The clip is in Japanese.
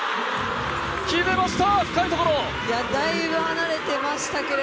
決めました！